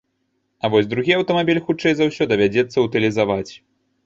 А вось другі аўтамабіль, хутчэй за ўсё, давядзецца ўтылізаваць.